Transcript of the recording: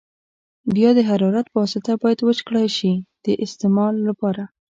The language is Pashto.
بیا د حرارت په واسطه باید وچ کړای شي د استعمال لپاره.